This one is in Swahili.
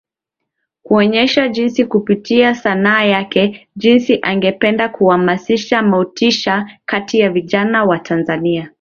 kuonyesha jinsi kupitia sanaa yake jinsi angependa kuhamasisha motisha kati ya vijana wa Tanzania